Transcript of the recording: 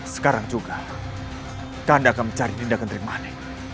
sekarang juga kak kanda akan mencari dinda kenteri manik